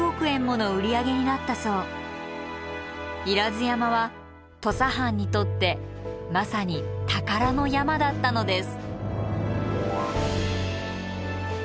不入山は土佐藩にとってまさに宝の山だったのです。